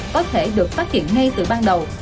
có thể được phát hiện ngay từ ban đầu